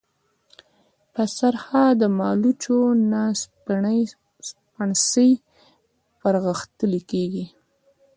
په سرخه د مالوچو نه سپڼسي پرغښتلي كېږي۔